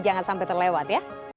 jangan sampai terlewat ya